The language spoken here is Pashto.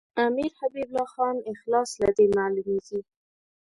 امیر حبیب الله خان اخلاص له دې معلومیږي.